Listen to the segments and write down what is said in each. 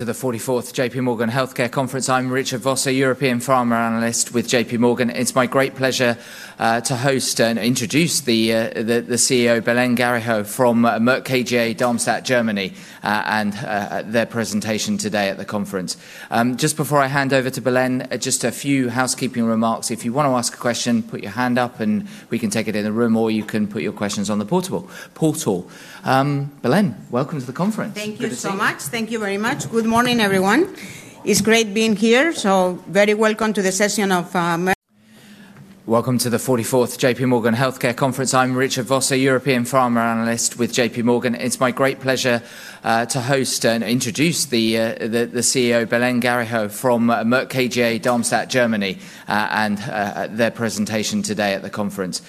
to the 44th JPMorgan Healthcare Conference. I'm Richard Vosser, European Pharma Analyst with JPMorgan. It's my great pleasure to host and introduce the CEO, Belén Garijo, from Merck KGaA, Darmstadt, Germany, and their presentation today at the conference. Just before I hand over to Belén, just a few housekeeping remarks. If you want to ask a question, put your hand up and we can take it in the room, or you can put your questions on the portal. Belén, welcome to the conference. Thank you so much. Thank you very much. Good morning, everyone. It's great being here. So very welcome to the session of. Welcome to the 44th JPMorgan Healthcare Conference. I'm Richard Vosser, European Pharma Analyst with JPMorgan. It's my great pleasure to host and introduce the CEO, Belén Garijo, from Merck KGaA, Darmstadt, Germany, and their presentation today at the conference.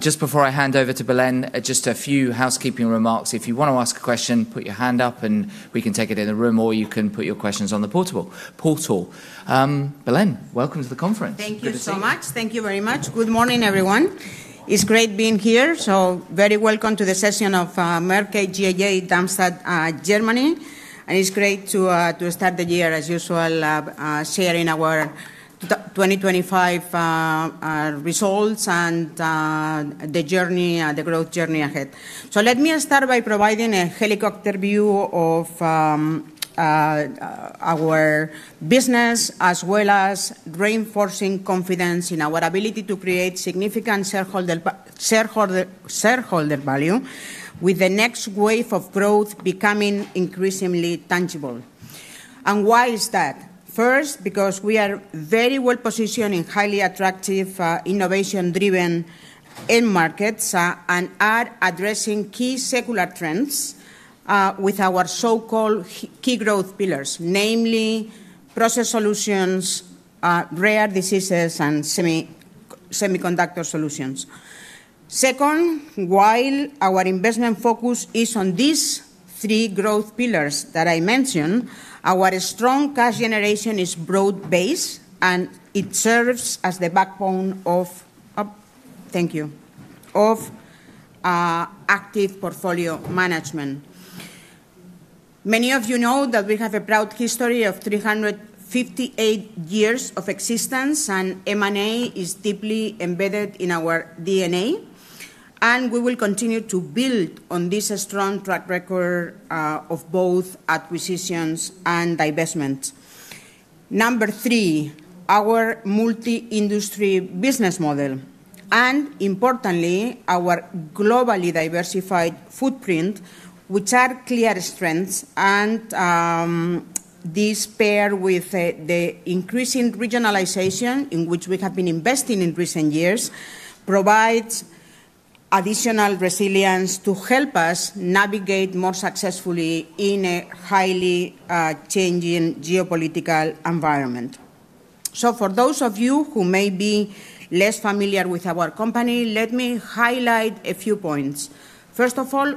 Just before I hand over to Belén, just a few housekeeping remarks. If you want to ask a question, put your hand up and we can take it in the room, or you can put your questions on the portal. Belén, welcome to the conference. Thank you so much. Thank you very much. Good morning, everyone. It's great being here. So very welcome to the session of Merck KGaA, Darmstadt, Germany. And it's great to start the year, as usual, sharing our 2025 results and the journey, the growth journey ahead. So let me start by providing a helicopter view of our business, as well as reinforcing confidence in our ability to create significant shareholder value, with the next wave of growth becoming increasingly tangible. And why is that? First, because we are very well positioned in highly attractive, innovation-driven end markets and are addressing key secular trends with our so-called key growth pillars, namely Process Solutions, rare diseases, and Semiconductor Solutions. Second, while our investment focus is on these three growth pillars that I mentioned, our strong cash generation is broad-based and it serves as the backbone of, thank you, of active portfolio management. Many of you know that we have a proud history of 358 years of existence and M&A is deeply embedded in our DNA. And we will continue to build on this strong track record of both acquisitions and divestments. Number three, our multi-industry business model and, importantly, our globally diversified footprint, which are clear strengths. And this pairs with the increasing regionalization in which we have been investing in recent years provides additional resilience to help us navigate more successfully in a highly changing geopolitical environment. So for those of you who may be less familiar with our company, let me highlight a few points. First of all,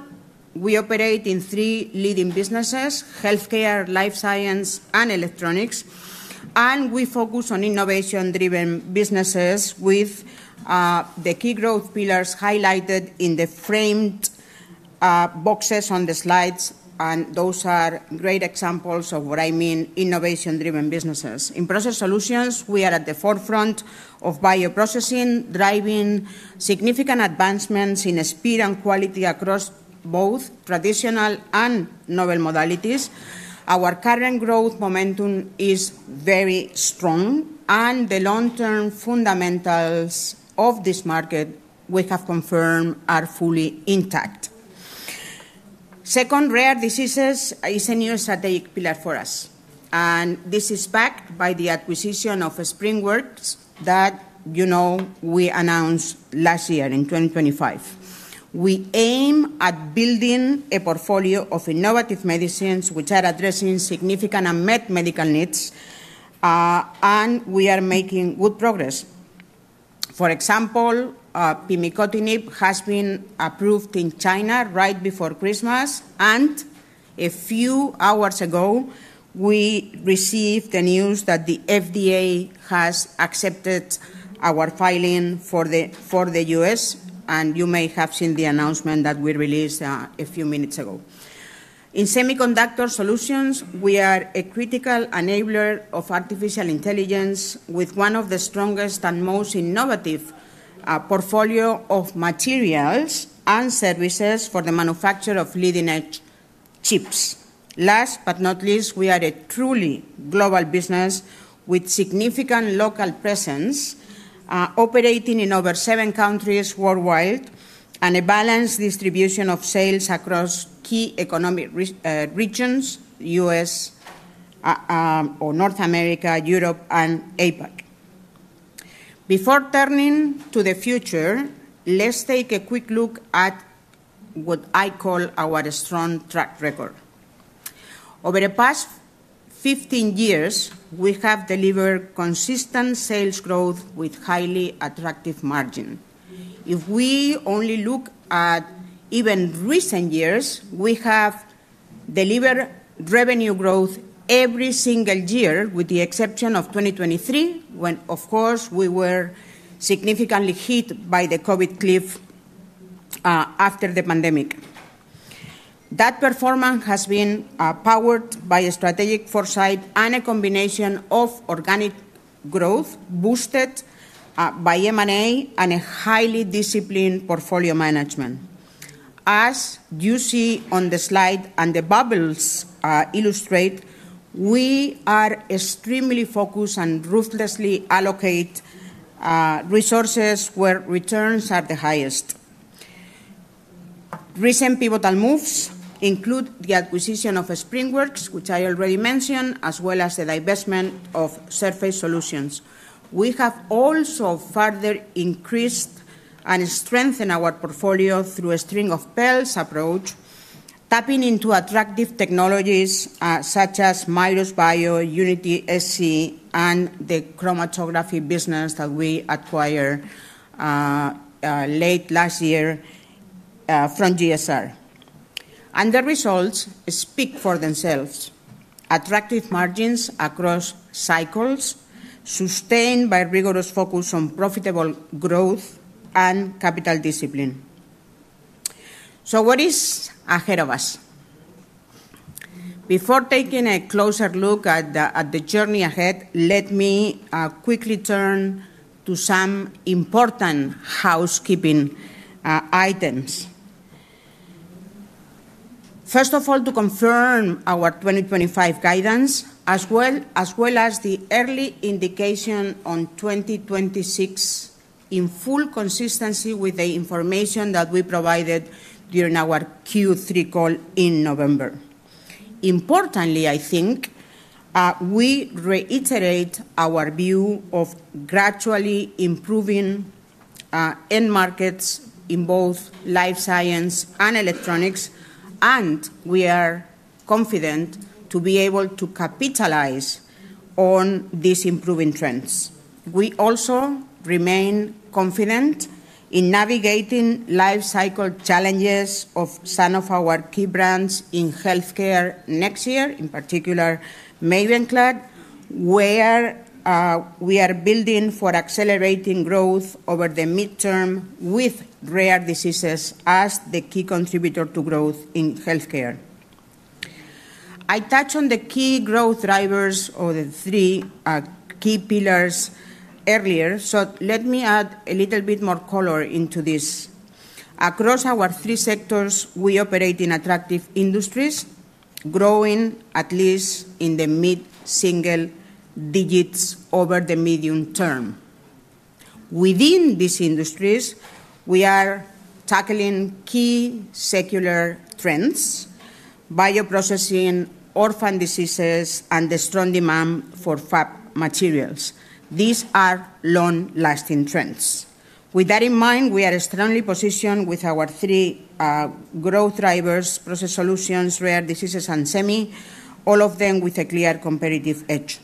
we operate in three leading businesses: Healthcare, Life Science, and Electronics. And we focus on innovation-driven businesses with the key growth pillars highlighted in the framed boxes on the slides. And those are great examples of what I mean by innovation-driven businesses. In Process Solutions, we are at the forefront of bioprocessing, driving significant advancements in speed and quality across both traditional and novel modalities. Our current growth momentum is very strong. And the long-term fundamentals of this market, we have confirmed, are fully intact. Second, rare diseases is a new strategic pillar for us. And this is backed by the acquisition of SpringWorks that, you know, we announced last year in 2025. We aim at building a portfolio of innovative medicines which are addressing significant unmet medical needs. And we are making good progress. For example, pimicotinib has been approved in China right before Christmas. And a few hours ago, we received the news that the FDA has accepted our filing for the U.S. And you may have seen the announcement that we released a few minutes ago. In Semiconductor Solutions, we are a critical enabler of artificial intelligence with one of the strongest and most innovative portfolios of materials and services for the manufacture of leading-edge chips. Last but not least, we are a truly global business with significant local presence, operating in over seven countries worldwide, and a balanced distribution of sales across key economic regions: U.S., North America, Europe, and APAC. Before turning to the future, let's take a quick look at what I call our strong track record. Over the past 15 years, we have delivered consistent sales growth with highly attractive margins. If we only look at even recent years, we have delivered revenue growth every single year, with the exception of 2023, when, of course, we were significantly hit by the COVID cliff after the pandemic. That performance has been powered by a strategic foresight and a combination of organic growth boosted by M&A and a highly disciplined portfolio management. As you see on the slide and the bubbles illustrate, we are extremely focused and ruthlessly allocate resources where returns are the highest. Recent pivotal moves include the acquisition of SpringWorks, which I already mentioned, as well as the divestment of Surface Solutions. We have also further increased and strengthened our portfolio through a string of pearls approach, tapping into attractive technologies such as Mirus Bio, UnitySC, and the chromatography business that we acquired late last year from JSR, and the results speak for themselves. Attractive margins across cycles, sustained by a rigorous focus on profitable growth and capital discipline, so what is ahead of us? Before taking a closer look at the journey ahead, let me quickly turn to some important housekeeping items. First of all, to confirm our 2025 guidance, as well as the early indication on 2026 in full consistency with the information that we provided during our Q3 call in November. Importantly, I think we reiterate our view of gradually improving end markets in both life science and electronics, and we are confident to be able to capitalize on these improving trends. We also remain confident in navigating life cycle challenges of some of our key brands in healthcare next year, in particular, Mavenclad, where we are building for accelerating growth over the midterm with rare diseases as the key contributor to growth in healthcare. I touched on the key growth drivers or the three key pillars earlier, so let me add a little bit more color into this. Across our three sectors, we operate in attractive industries, growing at least in the mid-single digits over the medium term. Within these industries, we are tackling key secular trends: bioprocessing, orphan diseases, and the strong demand for fab materials. These are long-lasting trends. With that in mind, we are strongly positioned with our three growth drivers: Process Solutions, rare diseases, and semi, all of them with a clear competitive edge.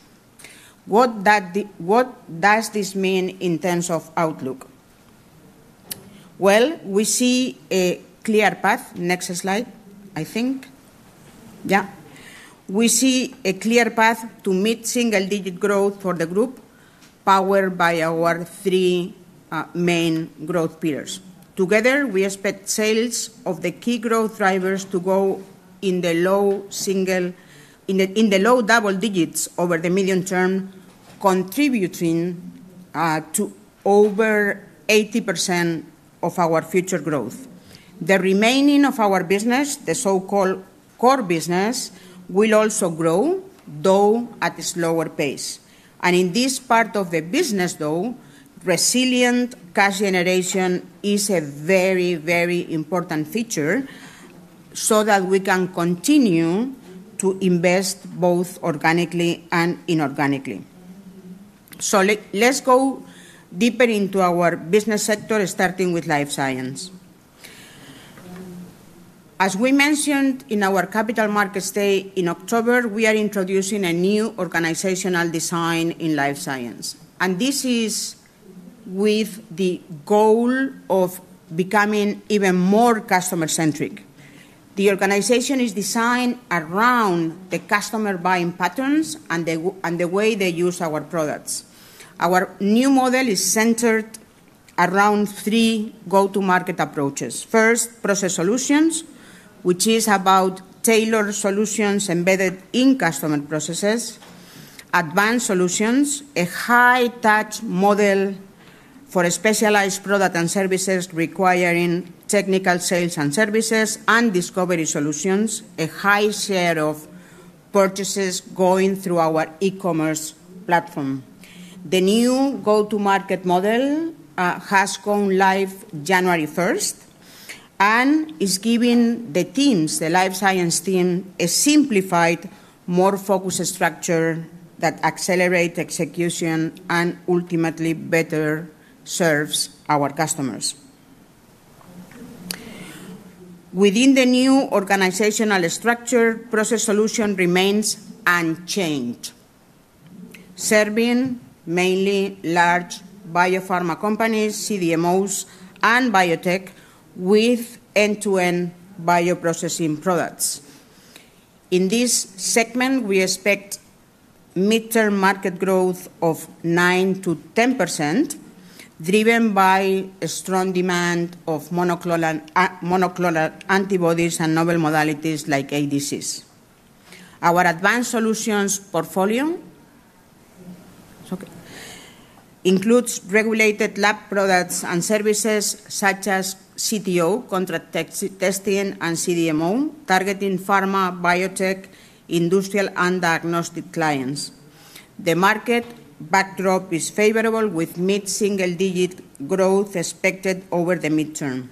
What does this mean in terms of outlook? Well, we see a clear path. Next slide, I think. Yeah. We see a clear path to mid-single digit growth for the group, powered by our three main growth pillars. Together, we expect sales of the key growth drivers to go in the low double digits over the medium term, contributing to over 80% of our future growth. The remaining of our business, the so-called core business, will also grow, though at a slower pace. In this part of the business, though, resilient cash generation is a very, very important feature so that we can continue to invest both organically and inorganically. Let's go deeper into our business sector, starting with Life Science. As we mentioned in our Capital Markets Day in October, we are introducing a new organizational design in Life Science. This is with the goal of becoming even more customer-centric. The organization is designed around the customer buying patterns and the way they use our products. Our new model is centered around three go-to-market approaches. First, Process Solutions, which is about tailored solutions embedded in customer processes, Advanced Solutions, a high-touch model for specialized products and services requiring technical sales and services, and Discovery Solutions, a high share of purchases going through our e-commerce platform. The new go-to-market model has gone live January 1st and is giving the teams, the life science team, a simplified, more focused structure that accelerates execution and ultimately better serves our customers. Within the new organizational structure, Process Solution remains unchanged, serving mainly large biopharma companies, CDMOs, and biotech with end-to-end bioprocessing products. In this segment, we expect midterm market growth of 9%-10%, driven by strong demand for monoclonal antibodies and novel modalities like ADCs. Our Advanced Solutions portfolio includes regulated lab products and services such as CTO, contract testing, and CDMO, targeting pharma, biotech, industrial, and diagnostic clients. The market backdrop is favorable, with mid-single digit growth expected over the midterm.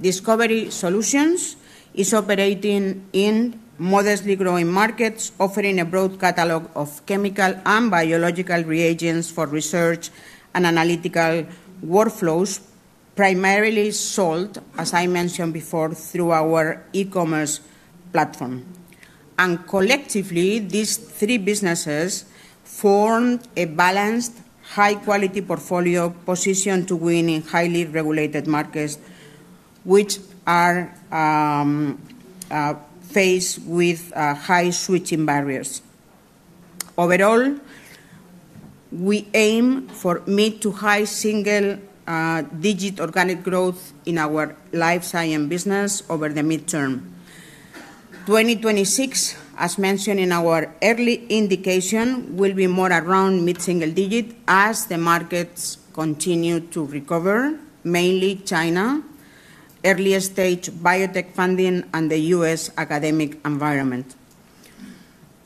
Discovery Solutions is operating in modestly growing markets, offering a broad catalog of chemical and biological reagents for research and analytical workflows, primarily sold, as I mentioned before, through our e-commerce platform. Collectively, these three businesses form a balanced, high-quality portfolio positioned to win in highly regulated markets, which are faced with high switching barriers. Overall, we aim for mid to high single-digit organic growth in our life science business over the midterm. 2026, as mentioned in our early indication, will be more around mid-single digit as the markets continue to recover, mainly China, early-stage biotech funding, and the U.S. academic environment.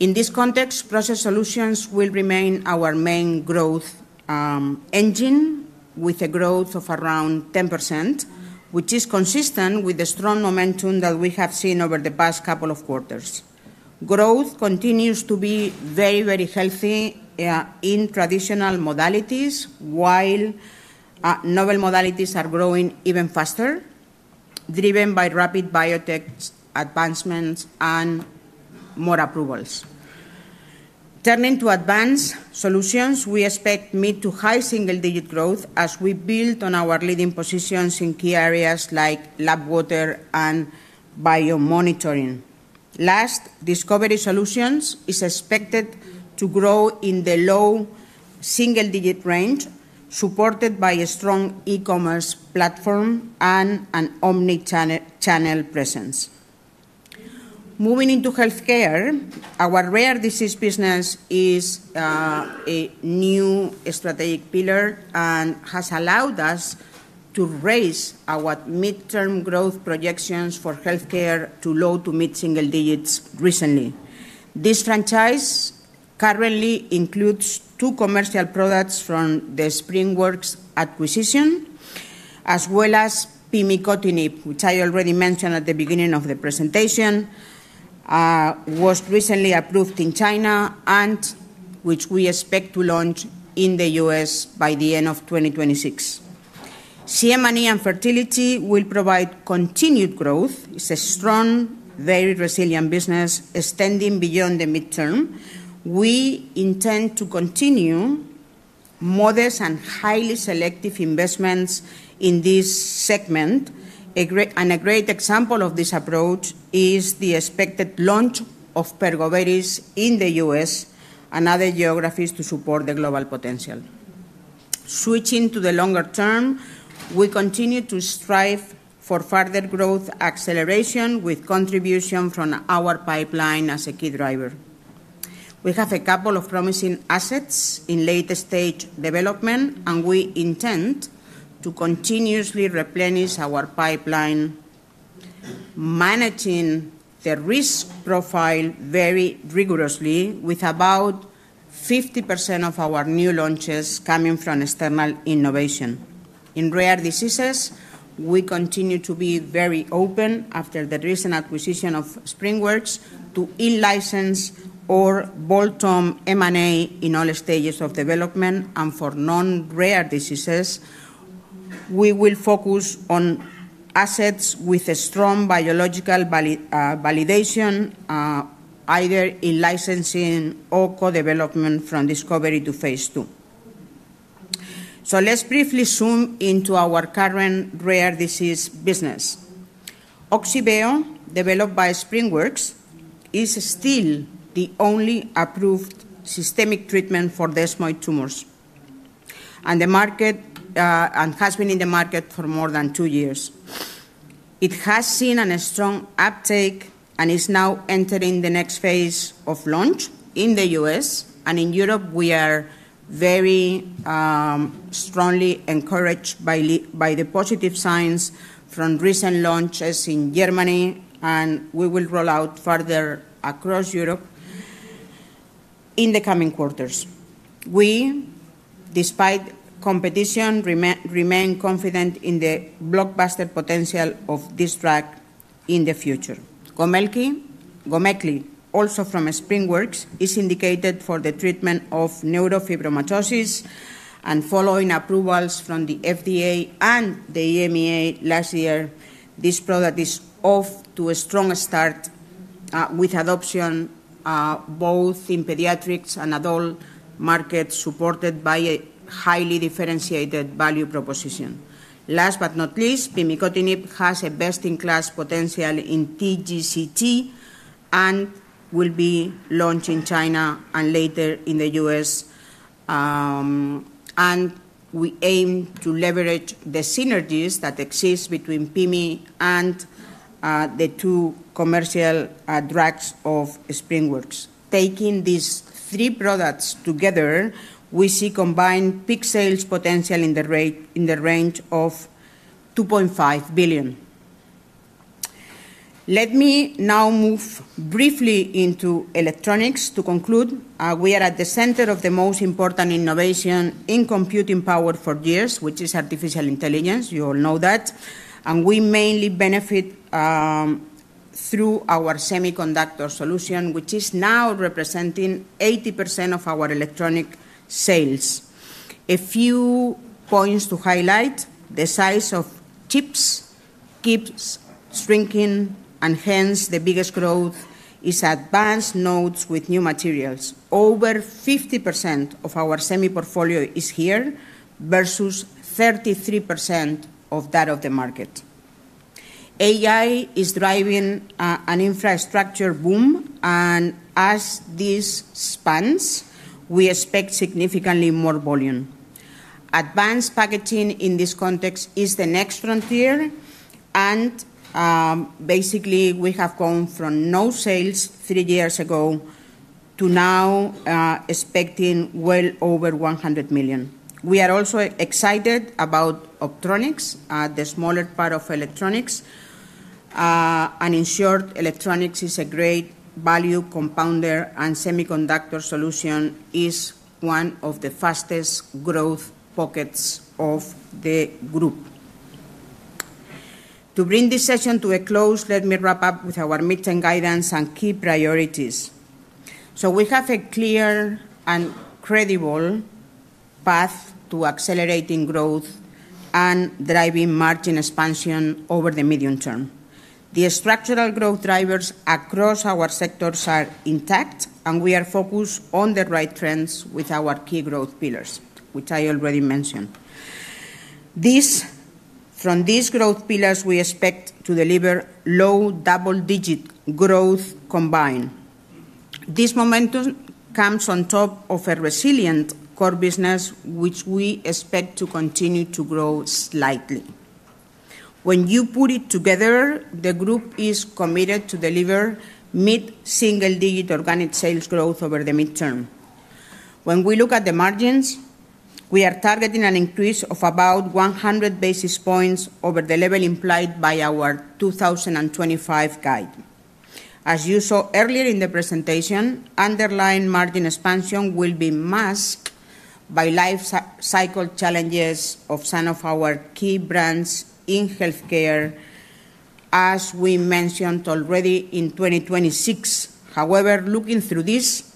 In this context, Process Solutions will remain our main growth engine, with a growth of around 10%, which is consistent with the strong momentum that we have seen over the past couple of quarters. Growth continues to be very, very healthy in traditional modalities, while novel modalities are growing even faster, driven by rapid biotech advancements and more approvals. Turning to Advanced Solutions, we expect mid- to high-single-digit growth as we build on our leading positions in key areas like lab water and biomonitoring. Last, Discovery Solutions is expected to grow in the low-single-digit range, supported by a strong e-commerce platform and an omnichannel presence. Moving into healthcare, our rare disease business is a new strategic pillar and has allowed us to raise our midterm growth projections for healthcare to low- to mid-single-digits recently. This franchise currently includes two commercial products from the SpringWorks acquisition, as well as pimicotinib, which I already mentioned at the beginning of the presentation, was recently approved in China, and which we expect to launch in the U.S. by the end of 2026. CM&E and Fertility will provide continued growth. It's a strong, very resilient business extending beyond the midterm. We intend to continue modest and highly selective investments in this segment. And a great example of this approach is the expected launch of Pergoveris in the U.S. and other geographies to support the global potential. Switching to the longer term, we continue to strive for further growth acceleration with contribution from our pipeline as a key driver. We have a couple of promising assets in late-stage development, and we intend to continuously replenish our pipeline, managing the risk profile very rigorously, with about 50% of our new launches coming from external innovation. In rare diseases, we continue to be very open after the recent acquisition of SpringWorks to in-license or bolt-on M&A in all stages of development. And for non-rare diseases, we will focus on assets with a strong biological validation, either in licensing or co-development from discovery to phase II. Let's briefly zoom into our current rare disease business. Ogsiveo, developed by SpringWorks, is still the only approved systemic treatment for desmoid tumors, and has been in the market for more than two years. It has seen a strong uptake and is now entering the next phase of launch in the U.S. In Europe, we are very strongly encouraged by the positive signs from recent launches in Germany, and we will roll out further across Europe in the coming quarters. We, despite competition, remain confident in the blockbuster potential of this drug in the future. Gomekli, also from SpringWorks, is indicated for the treatment of neurofibromatosis. Following approvals from the FDA and the EMEA last year, this product is off to a strong start with adoption both in pediatrics and adult markets, supported by a highly differentiated value proposition. Last but not least, pimicotinib has a best-in-class potential in TGCT and will be launched in China and later in the U.S., and we aim to leverage the synergies that exist between PIMI and the two commercial drugs of SpringWorks. Taking these three products together, we see combined peak sales potential in the range of 2.5 billion. Let me now move briefly into electronics to conclude. We are at the center of the most important innovation in computing power for years, which is artificial intelligence. You all know that, and we mainly benefit through our Semiconductor Solution, which is now representing 80% of our electronic sales. A few points to highlight: the size of chips keeps shrinking, and hence the biggest growth is advanced nodes with new materials. Over 50% of our semi portfolio is here versus 33% of that of the market. AI is driving an infrastructure boom, and as this expands, we expect significantly more volume. Advanced packaging in this context is the next frontier. And basically, we have gone from no sales three years ago to now expecting well over 100 million. We are also excited about Optronics, the smaller part of electronics. And in short, electronics is a great value compounder, and Semiconductor Solution is one of the fastest growth pockets of the group. To bring this session to a close, let me wrap up with our midterm guidance and key priorities. So we have a clear and credible path to accelerating growth and driving margin expansion over the medium term. The structural growth drivers across our sectors are intact, and we are focused on the right trends with our key growth pillars, which I already mentioned. From these growth pillars, we expect to deliver low double-digit growth combined. This momentum comes on top of a resilient core business, which we expect to continue to grow slightly. When you put it together, the group is committed to deliver mid-single digit organic sales growth over the midterm. When we look at the margins, we are targeting an increase of about 100 basis points over the level implied by our 2025 guide. As you saw earlier in the presentation, underlying margin expansion will be masked by life cycle challenges of some of our key brands in healthcare, as we mentioned already in 2026. However, looking through this,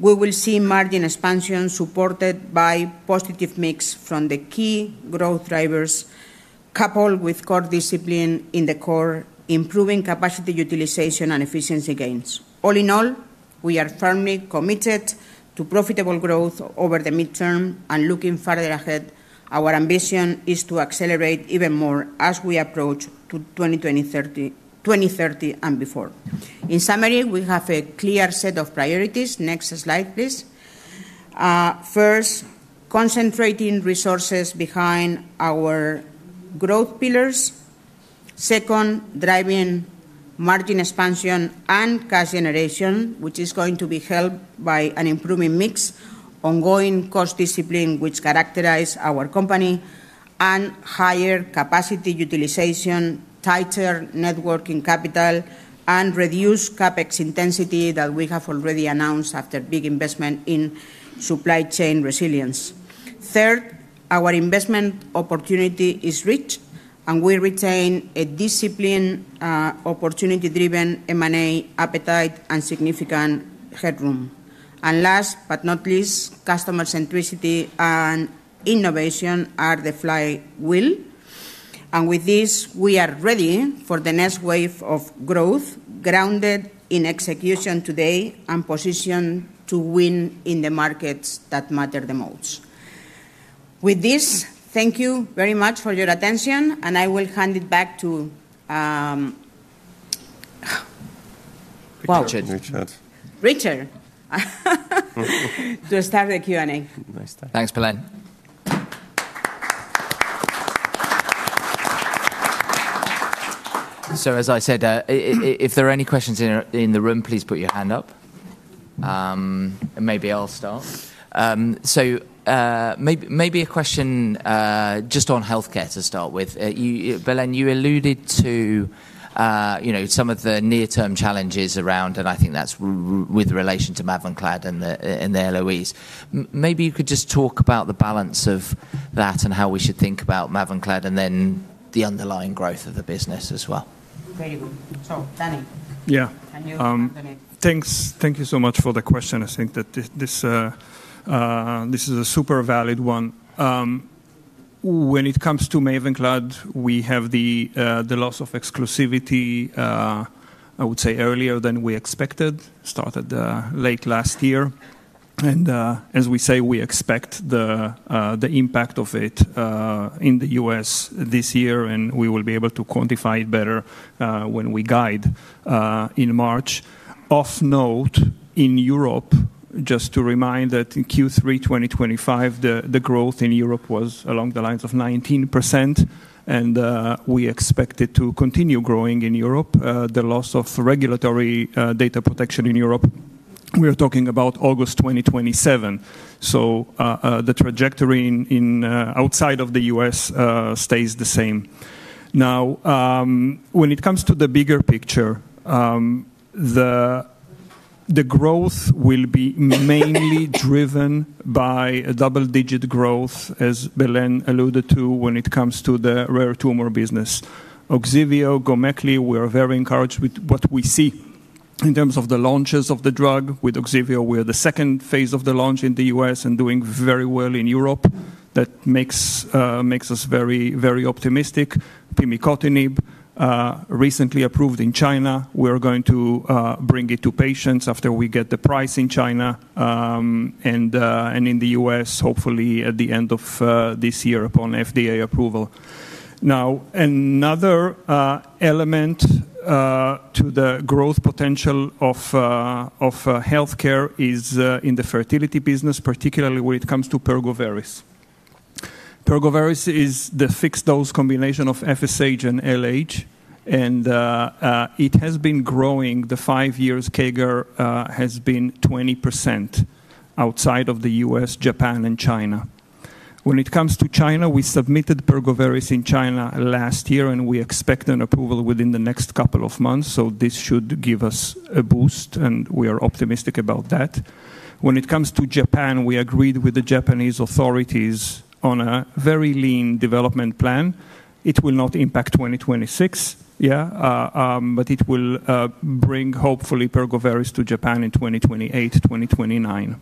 we will see margin expansion supported by positive mix from the key growth drivers, coupled with core discipline in the core, improving capacity utilization and efficiency gains. All in all, we are firmly committed to profitable growth over the midterm and looking further ahead. Our ambition is to accelerate even more as we approach 2030 and beyond. In summary, we have a clear set of priorities. Next slide, please. First, concentrating resources behind our growth pillars. Second, driving margin expansion and cash generation, which is going to be helped by an improving mix, ongoing cost discipline, which characterizes our company, and higher capacity utilization, tighter working capital, and reduced CapEx intensity that we have already announced after big investment in supply chain resilience. Third, our investment opportunity is rich, and we retain a disciplined, opportunity-driven M&A appetite, and significant headroom, and last but not least, customer centricity and innovation are the flywheel, and with this, we are ready for the next wave of growth grounded in execution today and positioned to win in the markets that matter the most. With this, thank you very much for your attention, and I will hand it back to Richard to start the Q&A. Thanks, Belén. So, as I said, if there are any questions in the room, please put your hand up. Maybe I'll start. So maybe a question just on healthcare to start with. Belén, you alluded to some of the near-term challenges around, and I think that's with relation to Mavenclad and the LOEs. Maybe you could just talk about the balance of that and how we should think about Mavenclad and then the underlying growth of the business as well. Okay, so Danny, can you? Thank you so much for the question. I think that this is a super valid one. When it comes to Mavenclad, we have the loss of exclusivity, I would say, earlier than we expected, started late last year. And as we say, we expect the impact of it in the U.S. this year, and we will be able to quantify it better when we guide in March. Of note, in Europe, just to remind that in Q3 2025, the growth in Europe was along the lines of 19%, and we expect it to continue growing in Europe. The loss of regulatory data protection in Europe, we are talking about August 2027. So the trajectory outside of the U.S. stays the same. Now, when it comes to the bigger picture, the growth will be mainly driven by double-digit growth, as Belén alluded to, when it comes to the rare tumor business. Ogsiveo, Gomekli, we are very encouraged with what we see in terms of the launches of the drug. With Ogsiveo, we are the second phase of the launch in the U.S. and doing very well in Europe. That makes us very, very optimistic. Pimicotinib, recently approved in China, we are going to bring it to patients after we get the price in China and in the U.S., hopefully at the end of this year upon FDA approval. Now, another element to the growth potential of healthcare is in the fertility business, particularly when it comes to Pergoveris. Pergoveris is the fixed dose combination of FSH and LH, and it has been growing. The five-year CAGR has been 20% outside of the U.S., Japan, and China. When it comes to China, we submitted Pergoveris in China last year, and we expect an approval within the next couple of months. So this should give us a boost, and we are optimistic about that. When it comes to Japan, we agreed with the Japanese authorities on a very lean development plan. It will not impact 2026, yeah, but it will bring, hopefully, Pergoveris to Japan in 2028, 2029.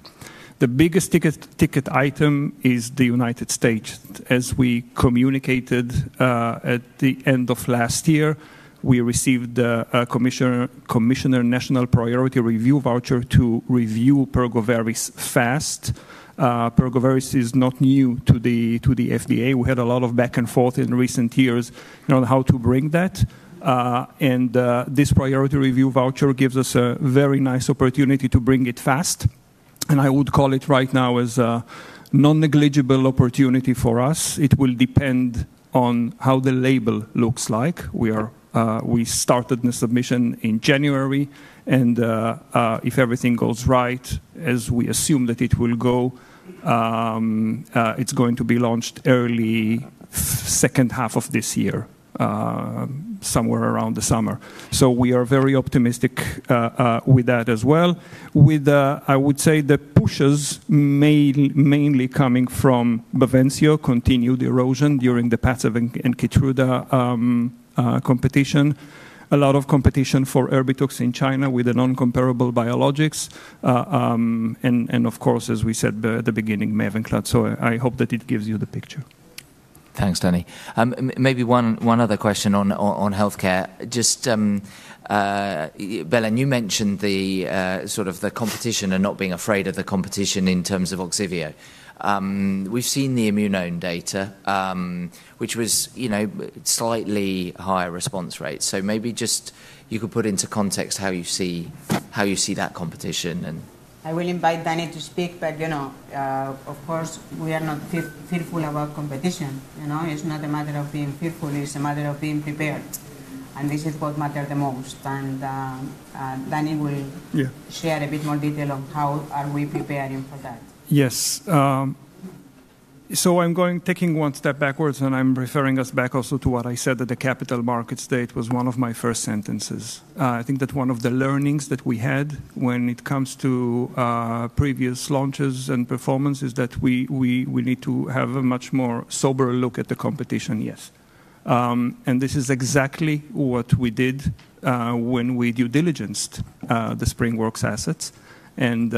The biggest ticket item is the United States. As we communicated at the end of last year, we received a Commissioner National Priority Review voucher to review Pergoveris fast. Pergoveris is not new to the FDA. We had a lot of back and forth in recent years on how to bring that. And this priority review voucher gives us a very nice opportunity to bring it fast. And I would call it right now as a non-negligible opportunity for us. It will depend on how the label looks like. We started the submission in January, and if everything goes right, as we assume that it will go, it's going to be launched early second half of this year, somewhere around the summer. So we are very optimistic with that as well. I would say the pushes mainly coming from Bavencio continued erosion during the Bavencio and Keytruda competition. A lot of competition for Erbitux in China with an incomparable biologics. And of course, as we said at the beginning, Mavenclad, so I hope that it gives you the picture. Thanks, Danny. Maybe one other question on healthcare. Just, Belén, you mentioned sort of the competition and not being afraid of the competition in terms of Ogsiveo. We've seen the Immunome data, which was slightly higher response rate, so maybe just you could put into context how you see that competition. I will invite Danny to speak, but of course, we are not fearful about competition. It's not a matter of being fearful. It's a matter of being prepared, and this is what matters the most, and Danny will share a bit more detail on how are we preparing for that. Yes. I'm taking one step backwards, and I'm referring us back also to what I said at the Capital Markets Day. It was one of my first sentences. I think that one of the learnings that we had when it comes to previous launches and performance is that we need to have a much more sober look at the competition, yes. And this is exactly what we did when we due diligenced the SpringWorks assets. And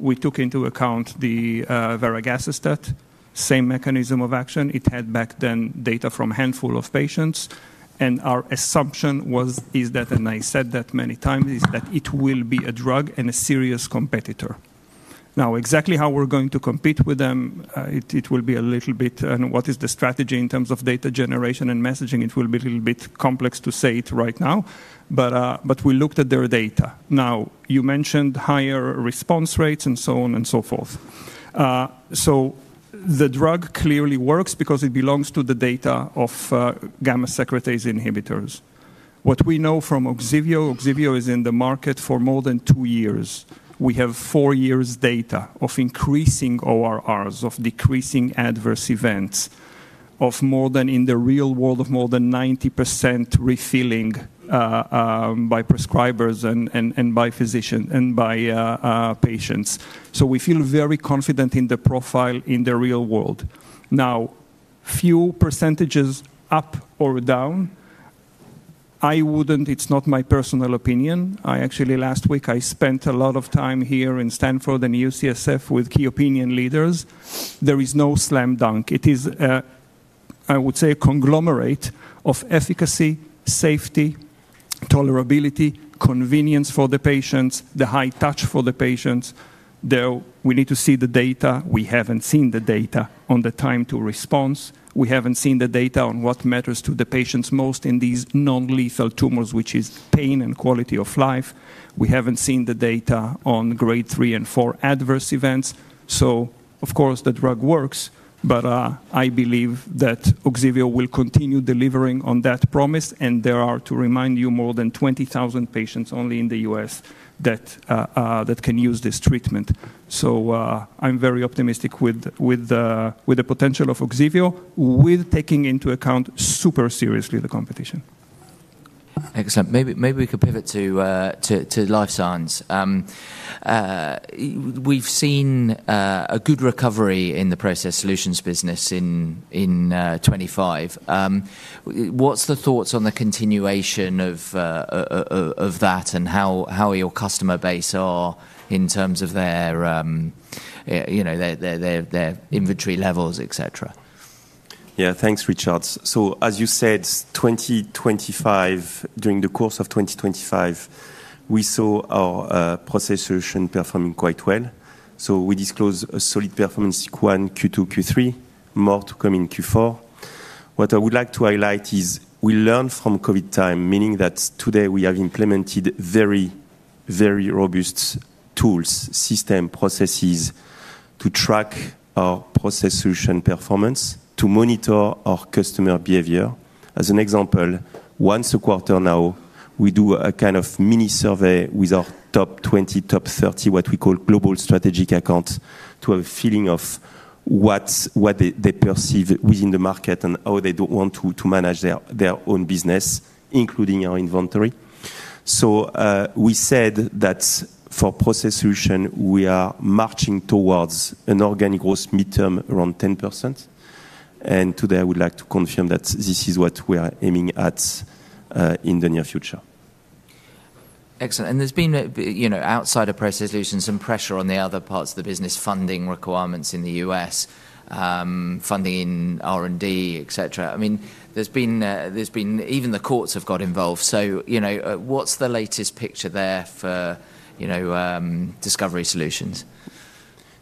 we took into account the [Nirogacestat], same mechanism of action. It had back then data from a handful of patients. And our assumption was, is that, and I said that many times, is that it will be a drug and a serious competitor. Now, exactly how we're going to compete with them, it will be a little bit, and what is the strategy in terms of data generation and messaging, it will be a little bit complex to say it right now. But we looked at their data. Now, you mentioned higher response rates and so on and so forth. So the drug clearly works because it belongs to the data of gamma secretase inhibitors. What we know from Ogsiveo, Ogsiveo is in the market for more than two years. We have four years' data of increasing ORRs, of decreasing adverse events, of more than in the real world of more than 90% refilling by prescribers and by physicians and by patients. So we feel very confident in the profile in the real world. Now, few percentages up or down, I wouldn't, it's not my personal opinion. I actually, last week, I spent a lot of time here in Stanford and UCSF with key opinion leaders. There is no slam dunk. It is, I would say, a conglomerate of efficacy, safety, tolerability, convenience for the patients, the high touch for the patients. Though we need to see the data, we haven't seen the data on the time to response. We haven't seen the data on what matters to the patients most in these non-lethal tumors, which is pain and quality of life. We haven't seen the data on Grade 3 and Grade 4 adverse events, so of course, the drug works, but I believe that Ogsiveo will continue delivering on that promise, and there are, to remind you, more than 20,000 patients only in the U.S. that can use this treatment, so I'm very optimistic with the potential of Ogsiveo, with taking into account super seriously the competition. Excellent. Maybe we could pivot to Life Science. We've seen a good recovery in the Process Solutions business in 2025. What's the thoughts on the continuation of that and how your customer base are in terms of their inventory levels, etc.? Yeah, thanks, Richard. So, as you said, during the course of 2025, we saw our Process Solutions performing quite well. So we disclosed a solid performance Q1, Q2, Q3, more to come in Q4. What I would like to highlight is we learned from COVID time, meaning that today we have implemented very, very robust tools, systems, processes to track our Process Solutions performance, to monitor our customer behavior. As an example, once a quarter now, we do a kind of mini survey with our top 20, top 30, what we call global strategic accounts to have a feeling of what they perceive within the market and how they want to manage their own business, including our inventory. So we said that for Process Solutions, we are marching towards an organic growth midterm around 10%. And today, I would like to confirm that this is what we are aiming at in the near future. Excellent. And there's been outside of Process Solutions some pressure on the other parts of the business, funding requirements in the U.S., funding in R&D, etc. I mean, there's been even the courts have got involved. So what's the latest picture there for Discovery Solutions?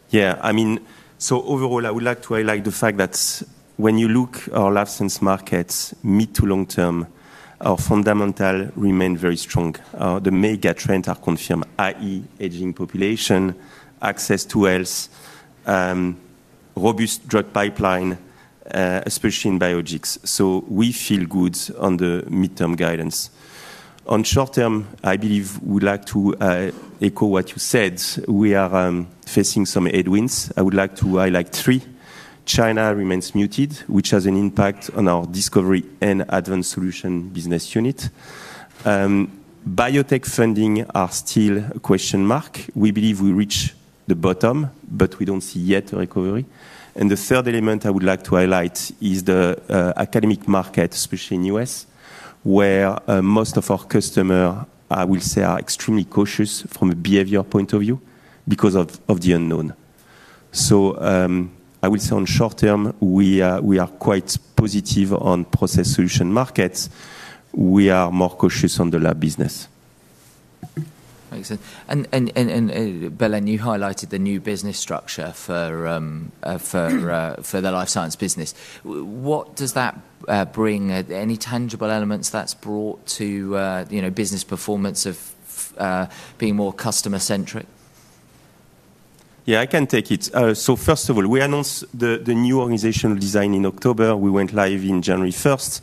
Yeah, I mean, so overall, I would like to highlight the fact that when you look at our Life Science markets, mid- to long-term, our fundamentals remained very strong. The mega trends are confirmed, i.e., aging population, access to health, robust drug pipeline, especially in biologics. So we feel good on the mid-term guidance. On short-term, I believe we'd like to echo what you said. We are facing some headwinds. I would like to highlight three. China remains muted, which has an impact on our Discovery and Advanced Solutions business unit. Biotech funding are still a question mark. We believe we reached the bottom, but we don't see yet a recovery. And the third element I would like to highlight is the academic market, especially in the U.S., where most of our customers, I will say, are extremely cautious from a behavior point of view because of the unknown. So I would say on short term, we are quite positive on Process Solution markets. We are more cautious on the lab business. Excellent. And Belén, you highlighted the new business structure for the life science business. What does that bring? Any tangible elements that's brought to business performance of being more customer-centric? Yeah, I can take it. So first of all, we announced the new organizational design in October. We went live in January 1st.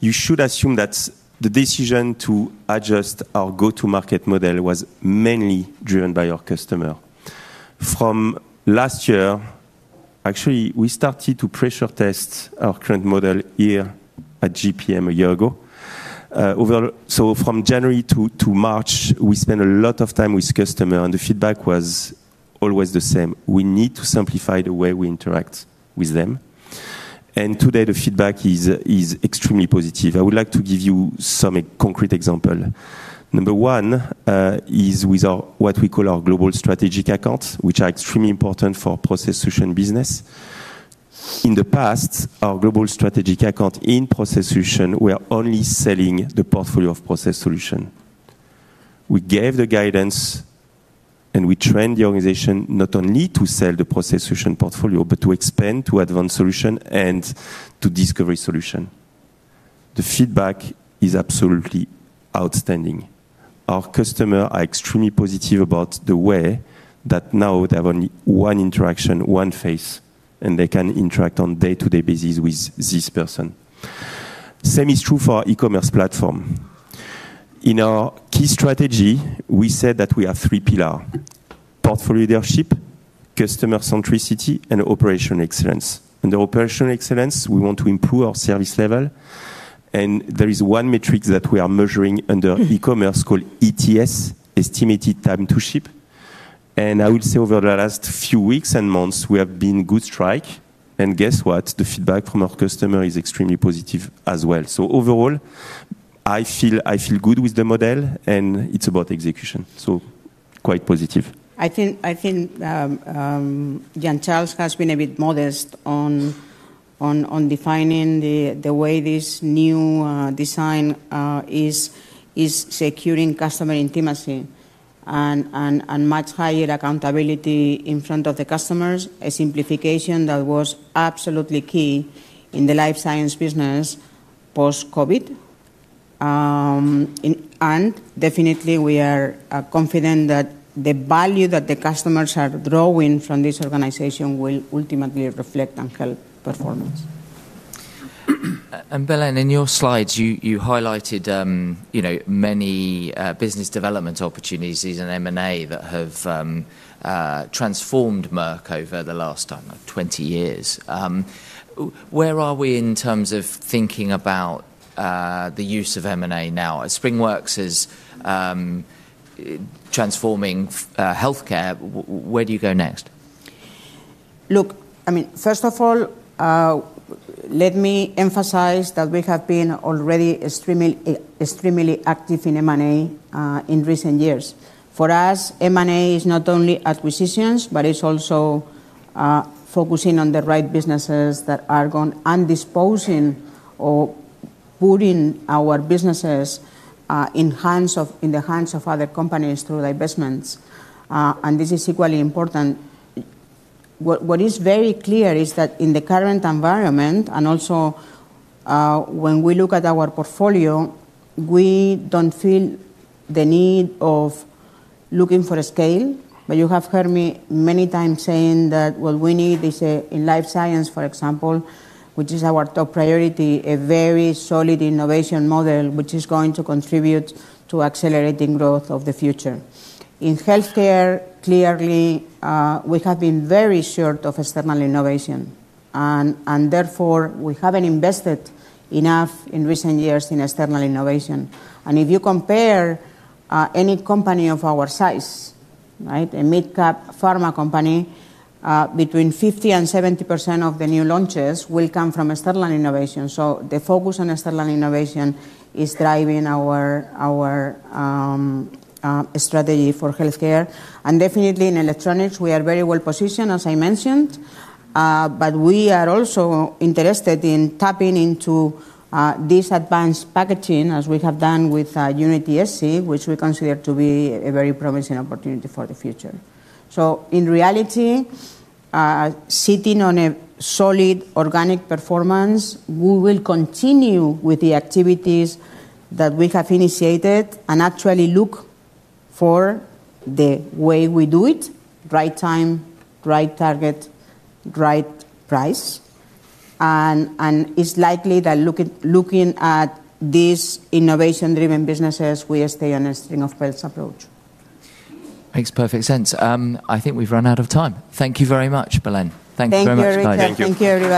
You should assume that the decision to adjust our go-to-market model was mainly driven by our customer. From last year, actually, we started to pressure test our current model here at JPM a year ago. From January to March, we spent a lot of time with customers, and the feedback was always the same. We need to simplify the way we interact with them. And today, the feedback is extremely positive. I would like to give you some concrete examples. Number one is with what we call our global strategic accounts, which are extremely important for Process Solutions business. In the past, our global strategic account in Process Solutions, we are only selling the portfolio of Process Solutions. We gave the guidance, and we trained the organization not only to sell the Process Solutions portfolio, but to expand to Advanced Solutions and to Discovery Solutions. The feedback is absolutely outstanding. Our customers are extremely positive about the way that now they have only one interaction, one face, and they can interact on a day-to-day basis with this person. Same is true for our e-commerce platform. In our key strategy, we said that we have three pillars: portfolio leadership, customer centricity, and operational excellence. Under operational excellence, we want to improve our service level. And there is one metric that we are measuring under e-commerce called ETS, estimated time to ship. And I would say over the last few weeks and months, we have been on a good streak. And guess what? The feedback from our customers is extremely positive as well. So overall, I feel good with the model, and it's about execution. So quite positive. I think Jean-Charles Wirth has been a bit modest on defining the way this new design is securing customer intimacy and much higher accountability in front of the customers, a simplification that was absolutely key in the life science business post-COVID. Definitely, we are confident that the value that the customers are drawing from this organization will ultimately reflect on health performance. Belén, in your slides, you highlighted many business development opportunities and M&A that have transformed Merck over the last 20 years. Where are we in terms of thinking about the use of M&A now? As SpringWorks is transforming healthcare, where do you go next? Look, I mean, first of all, let me emphasize that we have been already extremely active in M&A in recent years. For us, M&A is not only acquisitions, but it's also focusing on the right businesses that are going and disposing or putting our businesses in the hands of other companies through divestments. This is equally important. What is very clear is that in the current environment, and also when we look at our portfolio, we don't feel the need of looking for scale. But you have heard me many times saying that what we need is in Life Science, for example, which is our top priority, a very solid innovation model which is going to contribute to accelerating growth of the future. In Healthcare, clearly, we have been very short of external innovation. And therefore, we haven't invested enough in recent years in external innovation. And if you compare any company of our size, a mid-cap pharma company, between 50%-70% of the new launches will come from external innovation. So the focus on external innovation is driving our strategy for Healthcare. And definitely, in Electronics, we are very well positioned, as I mentioned. But we are also interested in tapping into this advanced packaging, as we have done with UnitySC, which we consider to be a very promising opportunity for the future. So in reality, sitting on a solid organic performance, we will continue with the activities that we have initiated and actually look for the way we do it, right time, right target, right price. And it's likely that looking at these innovation-driven businesses, we stay on a string of pearls approach. Makes perfect sense. I think we've run out of time. Thank you very much, Belén. Thank you very much for coming. Thank you. Thank you.